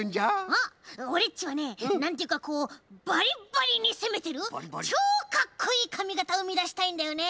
あっオレっちはねなんていうかこうバリッバリにせめてるちょうかっこいいかみがたをめざしたいんだよね。